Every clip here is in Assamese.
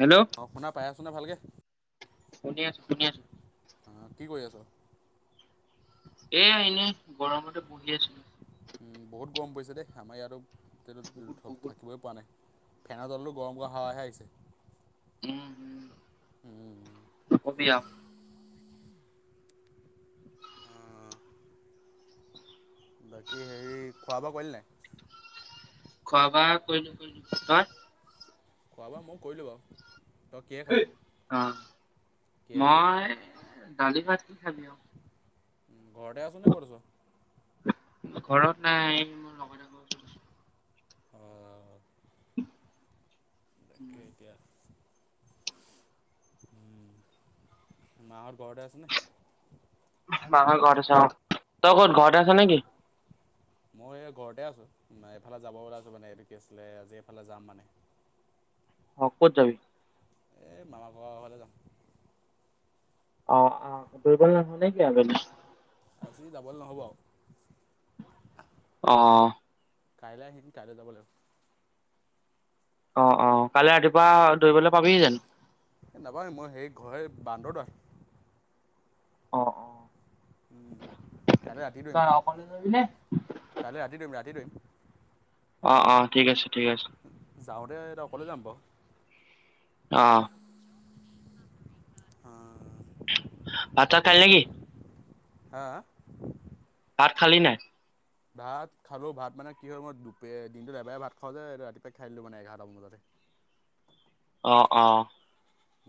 হেল্ল' অ', শুনা পাই আছনে ভালকে? শুনি আছো শুনি আছো অ', কি কৰি আ'ছ? এ এনেই গৰমতে বহি আছিলোঁ। উম, বহুত গৰম পৰিছে দেই আমাৰ বহুত ইয়াতো বহুত থাকিবই পৰা নাই। ফেনৰ তলতো গৰম গ হাৱাহে আহিছে। উম, হুম, নকবি আও। বাকী হেৰি খোৱা বোৱা কৰিলি নে? খোৱা বোৱা কৰিলোঁ কৰিলোঁ তই? খোৱা বোৱা মই কৰিলোঁ বাৰু তই কিহে খালি? অ কিহে খালি মই দালি ভাত কি খাবি আৰু। উম, ঘৰতে আ'ছ নে ক'ত আ'ছ? ঘৰত নাই মোৰ লগৰ এটাৰ ঘৰৰ উচৰত আছোঁ। অঁ তাকে এতিয়া মা হঁত ঘৰতে আছে নে? মা হঁত ঘৰত আছে অ', তই ক'ত ঘৰতে আ'ছ নেকি? এ আছোঁ, এইফালে যাব ওলাইছো মানে এইটো কি আছিলে আজি এইফালে যাম মানে। অ, ক'ত যাবি? এই মামা ঘৰ ফালে যাম। অ', অ', দুৰ্বল না'হ নে কি আবেলি? আজি ডাবল নহব আৰু। অ', কাইলৈ আহিম কাইলৈ যাব লাগিব। অ' অ', কাইলৈ ৰাতিপুৱা দৌৰিবলৈ পাবি যানো? এ নাপাওঁ মই সেইৰিত ঘৰ বান্দৰদোৱা। অ', অ', উম, কাইলৈ ৰাতি দৌৰিম, তই অকলে যাবি নে কাইলৈ ৰাতি দৌৰিম, ৰাতি দৌৰিম। অ', অ' ঠিক আছে, ঠিক আছে। যাওঁতে এতিয়া অকলে যাম বাৰু। অ', ভাত চাত খালি নেকি? হাঁ, হাঁ? ভাত খালি নাই? ভাত খালো ভাত মানে কি হয়, মই দু দিনটোত এবাৰে ভাত খাওঁ যে, ৰাতিপুৱাই খাই দিলো মানে এঘাৰটামান বজাতে। [inaudible] অ', অ',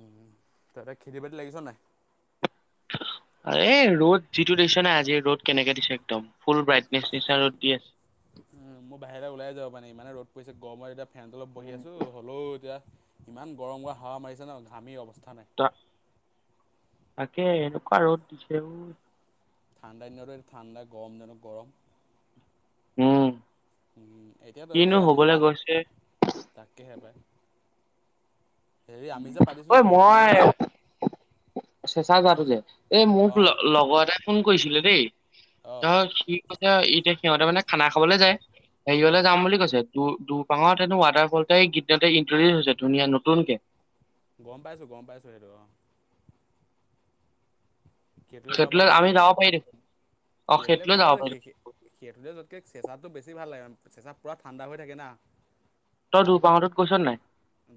উম, তইতে খেতি বাতি লাগিছ নাই? এই ৰ'দ যিটো দিছে নাই আজি ৰ'দ কেনেকে দিছে একদম। ফুল ব্ৰাইটনেছ নিচনা ৰ'দ দি আছে। মই বাহিৰলৈ ওলাই যাব মানে ইমানে ৰ'দ পৰিছে গমৰত এতিয়া ফেন তলত বহি আছোঁ হ'লেও এতিয়া ইমান গৰম গৰম হাৱা মাৰিছে নহয় ঘামি অৱস্থা নাই ত' তাকে এনেকুৱা ৰ'দ দিছে অ। ঠাণ্ডা দিনত ঠাণ্ডা গৰম দিনত গৰম। উম, উম, এতিয়া তই যে কিনো আমি যে হবলৈ পা গৈছে তাকেহে পাই। হেৰি আমি যে ঐ পাতিছিলোঁ পৰখিলে মই চেঁচা গাঁৱটো যে এই মোক অঁ লগৰ এটাই ফোন কৰিছিলে দেই। অঁ ত সি কৈছে এতিয়া সিহঁতে মানে খানা খাবলৈ যায় হেৰিয়লে অঁ যাম বুলি কৈছে। দু দুপাংত হেনো ৱাটাৰফলটাই একেদিনট ইনট্ৰডিউচ হৈছে ধুনীয়া নতুনকে। গম পাইছো, গম পাইছো সেইটো। সেটোলৈ যাব সেইটোলৈ পাৰিছ আমি নেকি তই? যাব পাৰি দেখোন অ সেটোলৈ সেইটোলৈ গম যাব পাইছ পাৰি স সেটোলৈ যোৱাতকে চেচাটো বেছি ভাল লাগে, চেঁচা পুৰা ঠাণ্ডা হৈ থাকে না। তই দুৰপাংটোত গৈ'ছ নাই?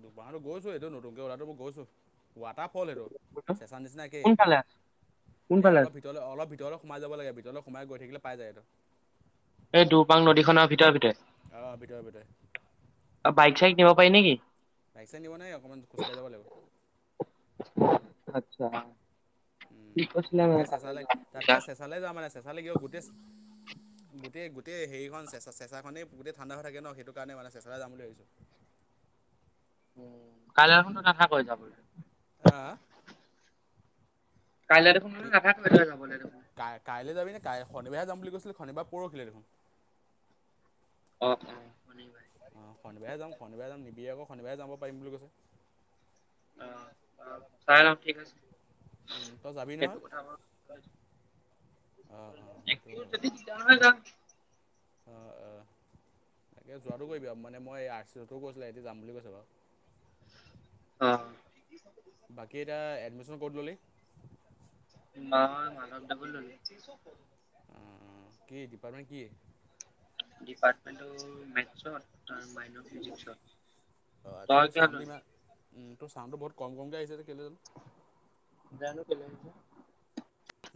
দুৰপাংটো গৈছো, এইটো নতুনকে উলোৱাতো মই গৈছো। ৱাটাৰফল এইটো চেঁচা নিচিনা একেই। কোনফালে আছে? এই কোনফালে আছে অলপ ভিতৰলৈ অলপ ভিতৰলৈ সোমাই যাব লাগে, ভিতৰলৈ সোমাই গৈ থাকিলে পাই যায় এইটো। এই দুৰপাং নদী খনৰ ভিতৰে ভিতৰে। অ', ভিতৰে ভিতৰে। বাইক চাইক নিব পাৰি নেকি? বাইক চাইক নিব নোৱাৰি অকমান খোজকাঢ়ি যাব লাগিব। আচ্ছা। উম, ঠিক কৈছিলে তাতকে মানে তালৈ চেচালে, যাম বুলি। তাতকে চেচালে যা মানে চেচালে কিবা গোটেই গোটেই-গোটেই হেৰি চে চেচাখই গোটেই ঠাণ্ডা হৈ থাকে ন সেইটো কাৰণে মানে চেচালৈ যাম বুলি ভাবিছোঁ। [inaudible] উম, কাইলৈ দেখোন তই নাথাকয়ে যাবলে। আ কাইলৈ দেখোন মানে কি নাথাকৈ তই যাবলৈ দেখোন। তাই শনিবাৰে যাম বুলি কৈছিল শনিবাহ পৰহিলে দেখোন। অ' অ', শনিবাৰে অ', শনিবাৰে যাম, শনিবাৰে যাম নিবি আকৌ শনিবাৰে যাব বুলি কৈছে। অ', চাই ল' ঠিক আছে। উম, তই যাবি সেইটো নহয় কথা অঁ অঁ এক যদি জান যা অ', অ', তাকে যোৱাটো কৰিবি আৰু মানে, মই আৰ চি চতো কৈছিলোঁ এতি যাম বুলি কৈছে বাৰু। অ', বাকী এতিয়া এডমিচন কত ললি? নহয় মাধৱ দাকো উম, উম, কি ডিপাৰ্টমেণ্ট কি? ডিপাৰ্টমেন্টটো মেথছত মাইনৰ ফিজিক্সত। অ', আচ্ছা তই তোৰ কিহত চাউণ্ডটো ললি? ইমান উম, তোৰ চাউণ্ডটো বহুত কম কমকৈ আহিছে কেলে জানোঁ। জানো কেলে আহিছে?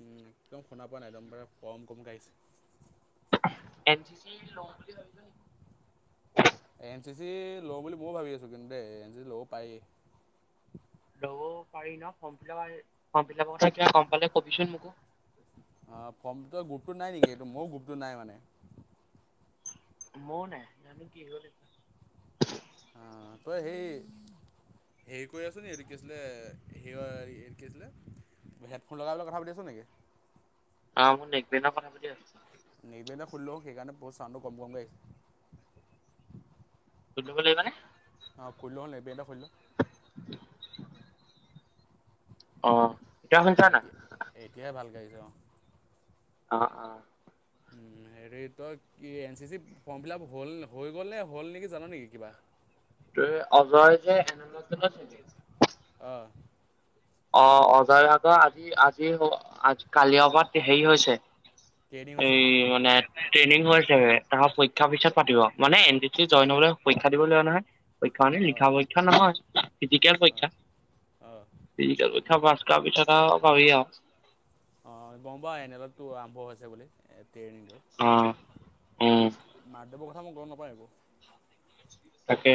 উম, একদম শুনা পোৱা নাই, একদম পাৰে কম কম কে আহিছে। এন চি চি ল'ম বুলি ভাবিছা নে? এন চি চি ল'ম বুলি মইও ভাবি আছো। কিন্তু দেই এন চি চি ল'ব পাৰেই। ল'ব পাৰি ন [unintelligible] ফম ফিলাব কথা কিবা গ'ম পালে কবিচোন মোকো। অ' কম্পিউট গ্ৰুপটো নাই নেকি? এইটো মোৰ গ্ৰুপটো নাই মানে। মৌনাই নানু কি হয় দো অ' তই সেই হেৰি কৰি আছো, এইটো কি আছিলে, সেটো কি আছিলে। হেডফোন লগাইলৈ কথা পাতি আ'ছ নেকি? অ', মোৰ নেশ্বনেল কথা পাতি আছোঁ। নেক বেন্দদা খুলি ল'ওঁ সেইকাৰণে চাউণ্ডটো বৰ কম কমকে আহিছে। তুতুকো লৈ আহিবা নে? অ', খুলি ল' নেকবেণ্ডডাল খুলি ল'। অ', তই শুনিছ নাই? এতিয়া এতিয়াহে ভালকে আহিছে অ', অ' অ' উম। হেৰি তই কি N C C form fill up হ'ল হৈ গ'ল নে হ'ল নেকি জান নেকি কিবা। ত অজয় যে এনেত চি আছে। আহ। অ' অজয় ভাগৰ আজি আজি আ কালি অপাত হেৰি হৈছে। ট্ৰেইনিং হৈছে এই মানে। ট্ৰেইনিং হৈছে তাহৰ পৰীক্ষাৰ পিছত পাতিব মানে এন চি চি জইন হ'বলৈ পৰীক্ষা দিব লাগিব নহয়। পৰীক্ষা মানে লিখা অ', পৰীক্ষা নহয়, ফিজিকেল অ', পৰীক্ষা। অ', ফিজিকেল পৰীক্ষা পাছ কৰা পাবি আহ। অ' গ'ম বা এনেলতো আৰম্ভ হৈছে বুলি। ট্ৰেইনিংটো। অ' উম। মাধদেৱৰ কথা মই গ'ম নাপায় [unintelligible] তাকে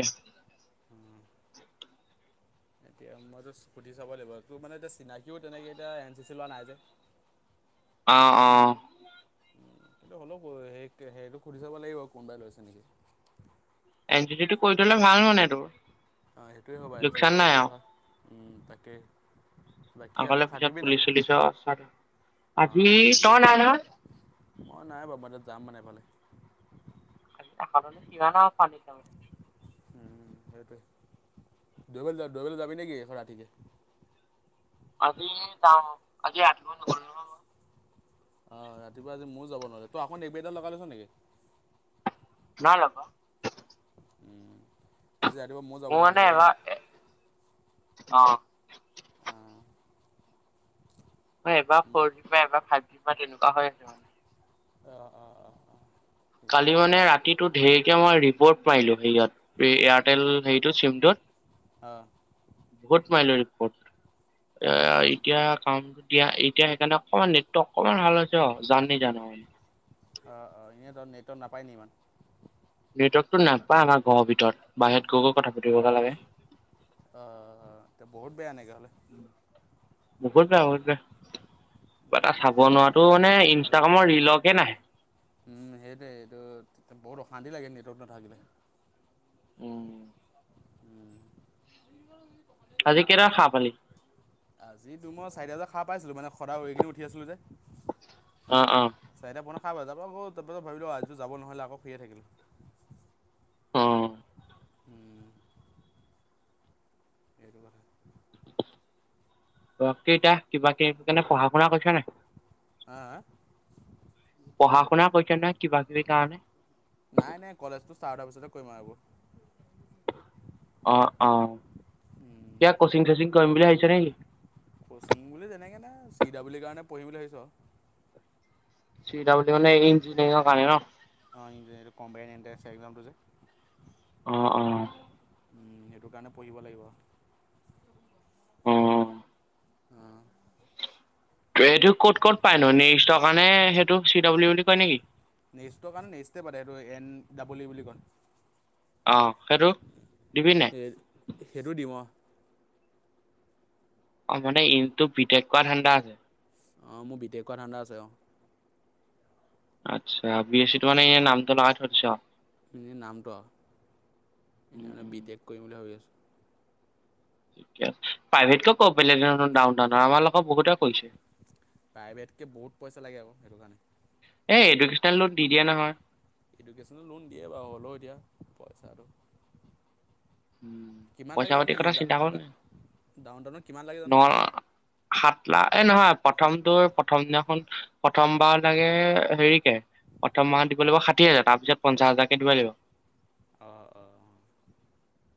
[inaudible] এতিয়া মইতো স্কুটি চাব লাগিব, তোৰ মানে এতিয়া চিনাকিও তেনেকে এতিয়া এন চি চি ল'ৰা নাই যে। [inaudible] অ' অ' উম, কিন্তু হ'লেও, সেই সেইটো সুধি চাব লাগিব কোনোবাই লৈছে নেকি? এন চি চি টো কৰি থ'লে ভাল মানে তোৰ অ' সেইটোৱে কবা এন চি লোকচান চি কৰি নাই থ'লে আৰু ভাল। উম, তাকেই, আগলে পিছত ফুলি চুলিছ আজি ত নাই নহয়। অ' নাই বাৰু মই এঠাইত যাম মানে এফালে। এ চিমান না পানীৰ দ উ সেইটোৱ দোৰিবলৈ দোৰিবলৈ যাবি নেকি ৰাতিকে। আজি জাম আজি ৰাতিপুৱা নগলো নহয়। আহ ৰাতিপুৱা আজি ময়ো যাব নোৱোৰি, তই আপুনি এইবাৰটা লগাই লৈছ নেকি? হেল্ল' উম, আজি ৰাতিপুৱা মই যাব মোৰ নহ'লে এই মানে এবাৰ অ' অঁ হয় এবাৰ ফ'ৰ জি বা এবাৰ ফাইভ জি পৰা তেনেকুৱা হৈ আছে মানে অ' অ' অ' অ'। কালি মানে ৰাতিটো ধে এতিয়া মই ৰিপৰ্ট মাইলো সেয় এয়াৰটেল হে অঁ চিমটোত। ক'ত মাইলে ৰিপৰ্ট, তাৰপৰা এতিয়া। চাও এতিয়া এতিয়া সেইকাৰণে অকমান নেটটো অকমান ভাল হৈছে। [unintelligible] অঁ অঁ এনেইতো নেটত নাপায় নি ইমান? ভিতৰততো নাপায় ঘৰ ভিতৰত, বাহিৰত গৈ গৈ কথা পাতিম। আহ তে বহুত বেয়া এনেকে হলে। মূখষ্ট হৈছে। কিবা এটা চাব নোৱাৰাটো মানে ইনষ্টাগ্ৰামৰ ৰিলকে নাহে। উম সেইটোৱে এইটো বহুত অশান্তি লাগে নেটৱৰ্ক নাথাকিলে। উম। আজি কেইটাত খাৰ পালি। আজি মই চাৰিটা বজাত খা পাইছিলো। মানে সদায় এইখিনি উঠি আছিলো যে। অ' অ' খাই ব যাৰ পৰা তাৰপাছত ভাবিলোঁ আজিযোৰ যাব নহ'লে আকৌ খুয়ে থাকিলোঁ। অ', এইটো কাৰণে। অ' কেইটা কিবা কে পঢ়া শুনা কৰিছা নে নাই হা হা পঢ়া শুনা কৰিছ নহয় কিবা কিবি কাৰণে। পিছত কৰিম আৰু এইবোৰ। অ অ কিবা কচিং চচিং কৰিম বুলি ভাবিছে নেকি? কচিং বুলি তেনেকে নাই চি ডবলী কাৰণে পঢ়িম বুলি ভাবিছো। চি ডব্লিউৰ ইঞ্জনিয়ৰ কাৰণে ন। অ ইঞ্জিনিয়াৰি কম্পিউটাৰ এনট্ৰেষ্ট এক্সামটো যে অ অ। সেইটো কাৰণে পঢ়িব লাগিব। অ'। আহ। এইটো ক'ত ক'ত পায় ন নেক্সষ্টৰ কাৰণে সেইটো চি ডাব্লিউ বুলি কয় নেকি? নেষ্টৰ কাৰণে নেষ্টে প এইটো এন ডাবল ই বুলি কয় আহ সেইটো দিবি নাই। সেই সেইটো দিম অ অ মাৰ এইটোো বি টেক কৰা ধাণ্ডা আছে। অ মোৰ বিতেক কৰা ধাণ্ডা আছে অ। আচ্ছা বি এ চি ত মানে ই নামটো লগাই থৈ দিছ। এনে নামটো আৰু এনেই উম, মানে বি উম। টেক কৰিম বুলি ভাবি আছোঁ। প্ৰাইভেটকে ক বেলেগৰ ডাউন ডাউনৰ আমাৰ লগৰ বহুতে কৰিছে। প্ৰাইভেটকে বহুত পইচা লাগে আৰু সেইটো কাৰণে। এ এডুকেশ্যনেল লোন দি দিয়ে নহয়। এডুকেশ্যন লোন দিয়ে বাৰু হ'লেও এতিয়া পইচাটো? উম কিমান লাগে পইচা জানো পাতি এনে কথা চিন্তা কৰা নাই। ডাউন টাউনত কিমান লাগে ন জানো সাতলাখ এ নহয়। প্ৰথমটো প্ৰথম দিনাখন প্ৰথমবাৰ ছাগে হেৰিকে প্ৰথম মাহ দিব লাগিব ষাঠি হাজাৰ তাৰপিছত পঞ্চাছ হাজাৰকে দিব লাগিব। অ অ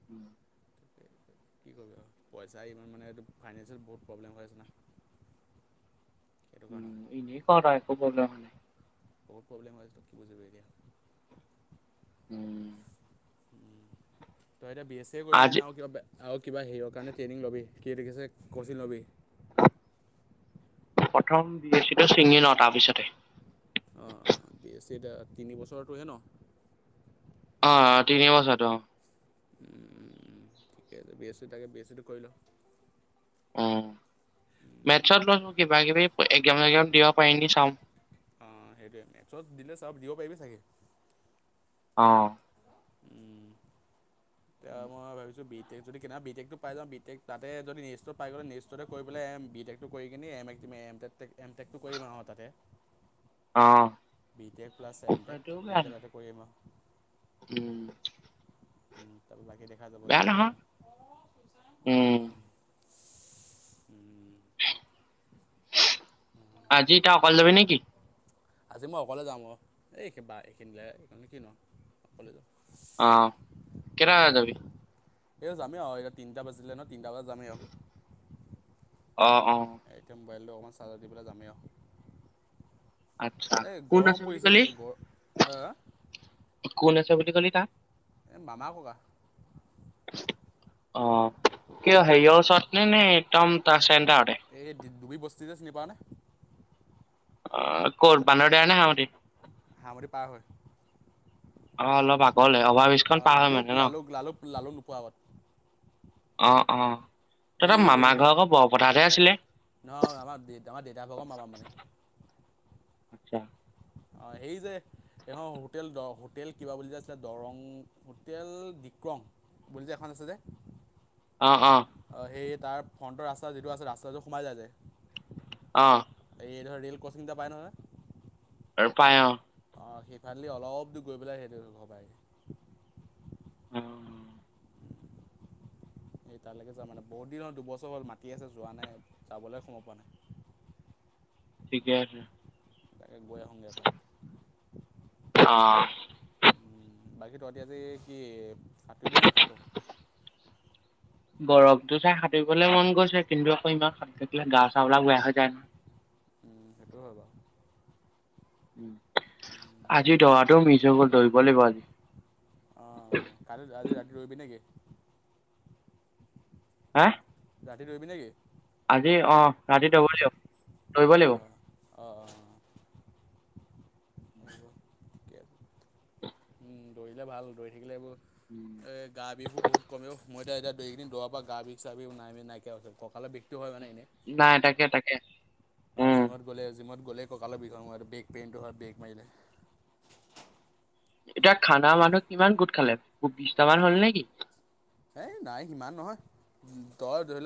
উম। কি কৰিব আৰু পইচা ইমান মানে এই ফাইনেন্সিয়েল বহুত প্ৰব্লেম হৈ আছে নহয়। উম এনে কোৱা হয় [unintelligible] বহুত প্ৰব্লেম হৈ আছিল ত কি বুজিবি এতিয়া। উম তই এতিয়া বি এছ এ কৰিবিে আজি নে আৰু কিবা আৰু কিবা হেৰিৰ কাৰণে ট্ৰেইনিং ল'বি কি দেখিছে ক'চিং ল'বি। প্ৰথম বি এ চিটো ছিঙি লও তাৰপিছতে অ বিএচি এতিয়া তিনিবছৰটোহে ন। অ তিনি বছতো। উম উম ঠিকে আছে বিএচি তাকে বিএচিটো কৰি ল। উ মেথছত লৈছো কিবা কিবি এক্জাম চজাম দিব পাৰিম‌ নেকি চাওঁ। অ সেইটয়ে মেথছত দিলে চব দিব পাৰিবি চাগে। অ। এতিয়া মই ভাবিছোঁ বি টক যদি কেনাবা বি টেকটো পাই যাওঁ, বি টেক তাতে যদি নেৰিষ্টত পাই গ'লে নেৰিষ্টতে কৰি পেলাই এ বি টেকটো কৰি কিনে এম এট মই এম টেক - টেক, এম টেকটো কৰিম আৰু তাতে। অ', বিটেক প্লাছ এম টেক দুইটা তাতে কৰিম আৰু। উম। উম তাৰ বাকী দেখা যাব বেয়া যি হয় নহয় আৰু উম। উ। আজি তই অকলে যাবি নেকি? আজি মই অকলে যাম আৰু এইিবা এইখিনিলে কিন অকলে যাম। অ', কেটা বজাত যাবি? এ যামেই আও এতিয়া তিনটা বাজিলে ন তিনটা বজাত যামেই আও। অ', অ', মোবাইলটো অকণমান চাৰ্জাৰ দি পেলাই যামেই আৰু। আচছা এই কোন গৰম আছে বুলি পৰিছে কলি? গ কোন আছে বুলি কলি তাত? মামা ক'কা। অ', কিয় হেৰিয়ৰ ওচৰত নে নে একদম তাৰ চেণ্টাৰতে এই দুবি বস্তি যে চিনি পাওঁ নে? অ', ক'ত বান্দৰদেৱা নে হাৰমুটি? হামতি পাৰ হয়। অ', অলপ আগলৈ অভাৰ ব্ৰিজখন অঁ পাৰ হয় লালুক মানে ন। অ', লালুক লালুক লালুক নোপোৱা আগত অ', এই তইতাৰ হেৰি মামাৰ হয় ঘৰ আকৌ বৰপথাৰতে আছিলে। নহয় আমাৰ আমাৰ দেউতাহ ভাগৰ মামা মানে। আচ্ছা। অ', সেৰি যে এই হোটেল দ হোটেল কিবা বুলি যে আছিলে দৰং হোটেল দিক কং বুলি যে এখন আছে যে। অ', অ', সেই তাৰ ফ্ৰণ্টৰ ৰাস্তা যিটো আছে ৰাস্তাটো সোমাই যায় যে অ', এই ধয় ৰেল ক্ৰচিং এটা পাই নহয়। আৰু পায় অ', অ', সেইফালেদি অলপ দূৰ গৈ পেলাই সেইটো সবাই। উম, এই তালৈকে যা মানে বহুত দিন হল দুবছৰ হ'ল মাতি আছে যোৱা নাই যাবলৈ সময় পোৱা নাই। [inaudible] ঠিকে আছে। এক গৈ আহোঁগে এবাৰ। অ বাকী তহঁতি আজি কি সাঁতুৰিবি নে নাসাঁতু ৰ''? গৰফটো চাই সাঁতুৰিবলৈ মন গৈছে, কিন্তু আকৌ ইমান সাঁতুৰি থাকিলে গা চা বিলাক বেয়া হৈ যায় নহয়। উম, সেইটো হয় বাৰু। উম, আজি দৌৰাটো মিছ হয় গল দৌৰিব লাগিব আজি। অ', কালি আজি ৰাতি দৌৰিবি নেকি? হাঁ? ৰাতি দৌৰিবি নেকি? আজি অ', ৰাতি দৌৰিব লাগিব। দৌৰিব অ', অ', অ', উম, দৌৰিলে ভাল দৌৰি থাকিলে এইবোৰ লাগিব এ গা বিহু বহুত কমেও মই এতিয়া-এতিয়া দুইকেদিন দৰা পৰা গা বি চা বিখ নাই নাইকিয়া হৈছে কঁকালৰ বিষটো হয় মানে নাই টাকে টাকে। অ', জিমত গ'লে জিমত গ'লে ককালৰ বিষ বেক পেইনটো হয় বেক মাৰিলে। [inaudible] এতিয়া খানা মানুহ কিমান গোট খালে? খুব বিশতামান হ'ল নেকি? এই নাই সিমান নহয় তই ধৰিলো